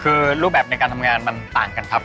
คือรูปแบบในการทำงานมันต่างกันครับ